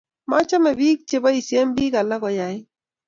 machame biik che boisien biik alak koyait